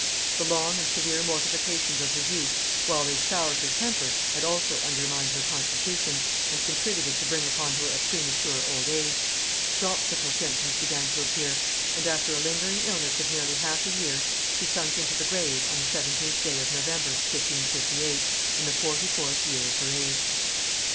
The long and severe mortifications of her youth, while they soured her temper, had also undermined her constitution, and contributed to bring upon her a premature old age; dropsical symptoms began to appear, and after a lingering illness of nearly half a year she sunk into the grave on the 17th day of November 1558, in the forty fourth year of her age.